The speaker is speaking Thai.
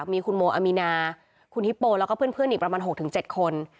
มีคุณโมอมีนาคุณฮิปโปแล้วก็เพื่อนเพื่อนอีกประมาณหกถึงเจ็ดคน